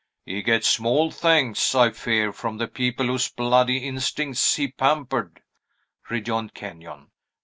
"He gets small thanks, I fear, from the people whose bloody instincts he pampered," rejoined Kenyon.